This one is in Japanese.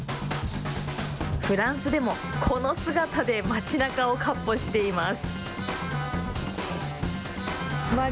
フランスでもこの姿で町なかをかっ歩しています。